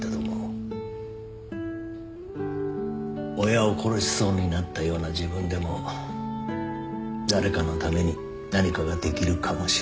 「親を殺しそうになったような自分でも誰かのために何かができるかもしれない」